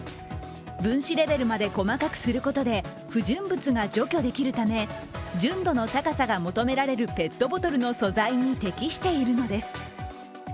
分子レベルまで細かくすることで不純物が除去できるため、純度の高さが求められるペットボトルの素材に適しているのです。